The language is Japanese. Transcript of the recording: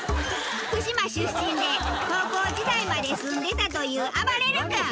福島出身で高校時代まで住んでたというあばれる君！